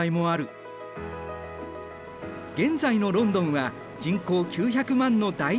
現在のロンドンは人口９００万の大都市。